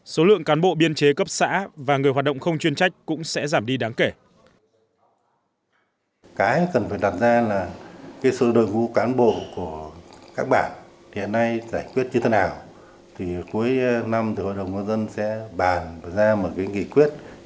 số lượng cán bộ biên chế cấp xã và người hoạt động không chuyên trách cũng sẽ giảm đi đáng kể